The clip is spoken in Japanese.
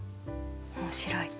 面白い。